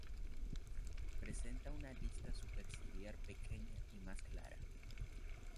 Presenta una lista superciliar pequeña y más clara.